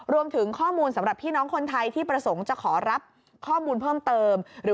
รวมถึงข้อมูลสำหรับพี่น้องคนไทยที่ประสงค์จะขอรับข้อมูลเพิ่มเติมหรือ